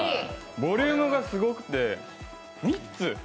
ボリュームがすごくて、３つ。